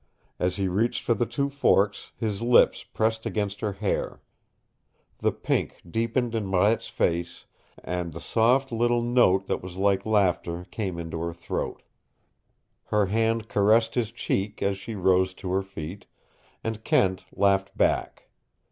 As he reached for the two forks, his lips pressed against her hair. The pink deepened in Marette's face, and the soft little note that was like laughter came into her throat. Her hand caressed his cheek as she rose to her feet, and Kent laughed back.